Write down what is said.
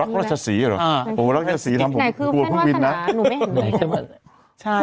รักษ์รัชศรีหรอโหรักษ์รัชศรีทำผมกลัวพรุ่งวินนะไหนคือเส้นวาสนาหนูไม่เห็นเลย